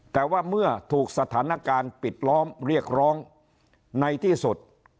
แต่ว่าเมื่อถูกสถานการณ์ปิดล้อมเรียกร้องในที่สุด